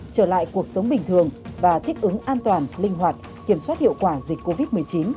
trở lại cuộc sống bình thường và thích ứng an toàn linh hoạt kiểm soát hiệu quả dịch covid một mươi chín